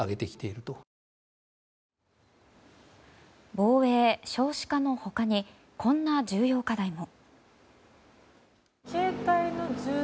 防衛、少子化の他にこんな重要課題も。